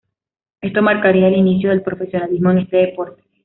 Esto marcaría el inicio del profesionalismo en este deporte.